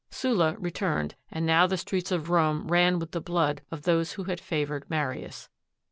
Sulla returned, and now the streets of Rome ran with the blood of those who had favored Marius.